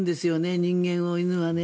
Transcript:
人間を犬はね。